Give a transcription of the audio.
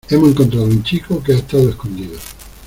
hemos encontrado a un chico que ha estado escondido